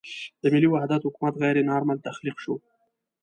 د ملي وحدت حکومت غیر نارمل تخلیق شو.